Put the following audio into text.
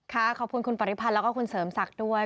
ขอบคุณคุณปริพันธ์แล้วก็คุณเสริมศักดิ์ด้วย